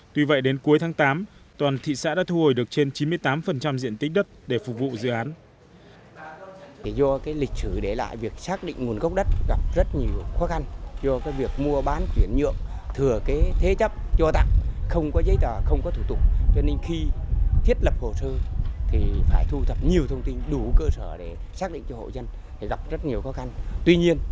tuy vậy đến cuối tháng tám toàn thị xã đã thu hồi được trên chín mươi tám diện tích đất để phục vụ dự án